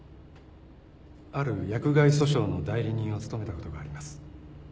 ある薬害訴訟の代理人を務めたことがあります。